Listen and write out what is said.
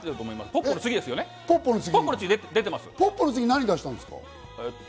ぽっぽの次、何出したんですか？